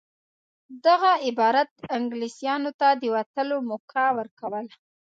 دغه عبارت انګلیسیانو ته د وتلو موقع ورکوله.